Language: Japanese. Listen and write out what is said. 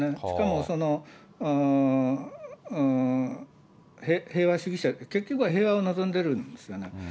しかも、平和主義者、結局は平和を望んでいるんですね。